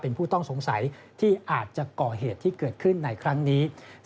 เป็นผู้ต้องสงสัยที่อาจจะก่อเหตุที่เกิดขึ้นในครั้งนี้